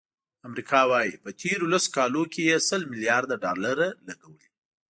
امریکا وایي، په تېرو لسو کالو کې سل ملیارد ډالر لګولي.